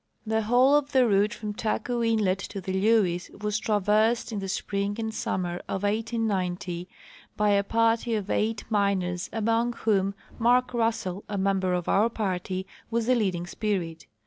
The whole of the route from Taku inlet to the Lewes was traversed in the spring and summer of 1890 by a party of eight miners, among whom Mark Russell, a member of our party, was a leading spirit.